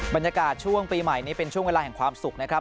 บรรยากาศช่วงปีใหม่นี้เป็นช่วงเวลาแห่งความสุขนะครับ